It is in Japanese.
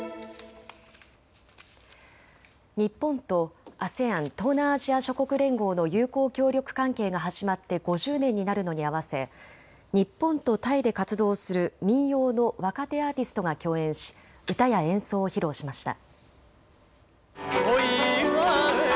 日本とＡＳＥＡＮ・東南アジア諸国連合の友好協力関係が始まって５０年になるのに合わせ日本とタイで活動する民謡の若手アーティストが共演し歌や演奏を披露しました。